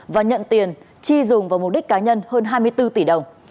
và nhận tiền chi dùng vào mục đích cá nhân hơn hai mươi bốn tỷ đồng